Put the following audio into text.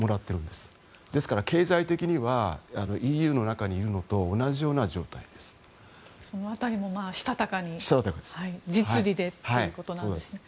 ですから経済的にはＥＵの中にいるのとその辺りもしたたかに実利でということなんですね。